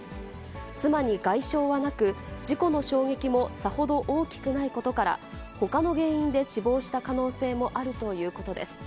妻に外傷はなく、事故の衝撃もさほど大きくないことから、ほかの原因で死亡した可能性もあるということです。